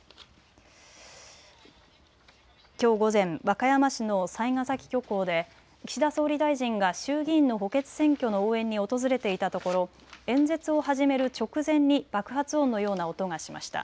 きょう午前、和歌山市の雑賀崎漁港で岸田総理大臣が衆議院の補欠選挙の応援に訪れていたところ演説を始める直前に爆発音のような音がしました。